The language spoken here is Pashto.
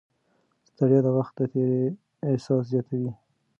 ستړیا د وخت د تېري احساس زیاتوي.